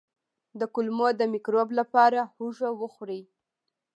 د کولمو د مکروب لپاره هوږه وخورئ